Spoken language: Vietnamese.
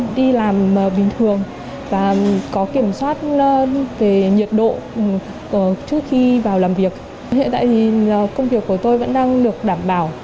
trước khi vào làm việc hiện tại công việc của tôi vẫn đang được đảm bảo